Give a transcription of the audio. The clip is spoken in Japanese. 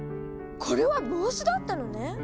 これは帽子だったのね！